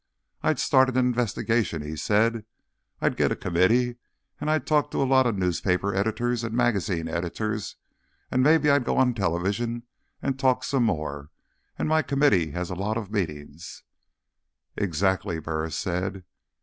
"I start an investigation," he said. "I get a committee and I talk to a lot of newspaper editors and magazine editors and maybe I go on television and talk some more, and my committee has a lot of meetings—" "Exactly," Burris said.